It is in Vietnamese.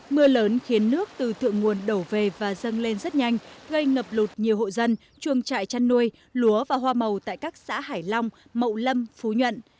mưa lớn khiến nước từ thượng nguồn đổ về và dâng lên rất nhanh gây ngập lụt nhiều hộ dân chuồng trại chăn nuôi lúa và hoa màu tại các xã hải long mậu lâm phú nhuận